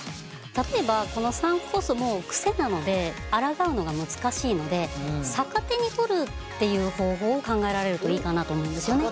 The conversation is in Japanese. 例えばこのサンクコストも癖なのであらがうのが難しいので逆手に取るっていう方法を考えられるといいかなと思うんですよね。